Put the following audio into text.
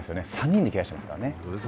３人でケアしていますからね。